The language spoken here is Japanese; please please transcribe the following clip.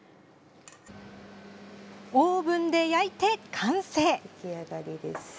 オーブンで焼いて、完成。